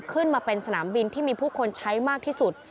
ขึ้นมาเป็นสนามบินที่มีผู้คนใช้มากที่สุด